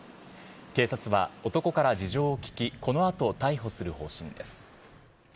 警察は、男から事情を聴き、このあと逮捕する方針です。